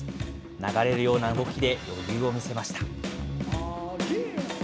流れるような動きで余裕を見せました。